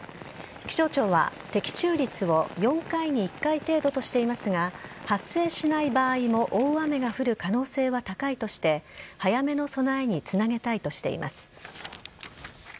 気象庁は的中率を４回に１回程度としていますが発生しない場合も大雨が降る可能性は高いとして早めの備えにつなげたいとしています。